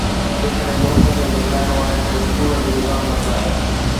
جيڪڏهن ملڪ کي بدلائڻو آهي ته اسڪول جو نظام بدلايو.